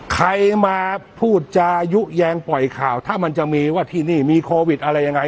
ใครมาพูดจายุแยงปล่อยข่าวถ้ามันจะมีว่าที่นี่มีโควิดอะไรยังไง